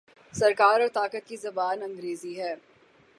سرکار اور طاقت کی زبان انگریزی ہے۔